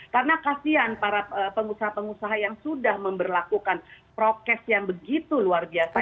karena kasihan para pengusaha pengusaha yang sudah memberlakukan prokes yang begitu luar biasa